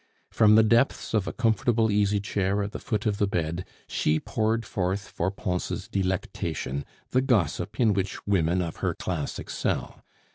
From the depths of a comfortable easy chair at the foot of the bed she poured forth for Pons' delectation the gossip in which women of her class excel.